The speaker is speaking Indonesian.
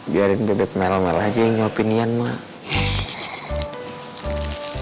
biarin bebet mel mel aja yang nyuapin ian mak